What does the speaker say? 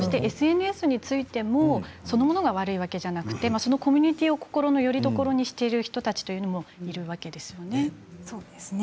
ＳＮＳについてそのものが悪いわけではなくてコミュニティーを心のよりどころにしている人たちというのもいるわけですよね。